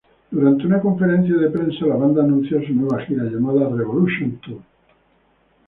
Durante una conferencia de prensa la banda anuncio su nueva gira, llamada Revolution Tour.